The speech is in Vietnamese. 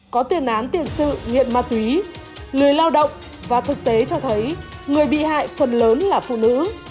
có tiền án tiền sự nghiện ma túy lười lao động và thực tế cho thấy người bị hại phần lớn là phụ nữ